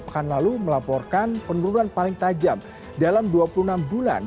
pekan lalu melaporkan penurunan paling tajam dalam dua puluh enam bulan